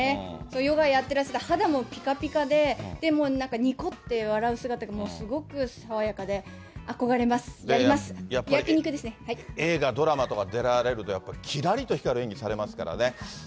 ヨガやってらっしゃって、肌もぴかぴかで、にこって笑う姿がもうすごく爽やかで、憧れます、やります、焼き映画、ドラマとか出られるとやはりきらりと光る演技されますからね。